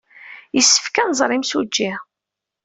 Yessefk ad nẓer imsujji.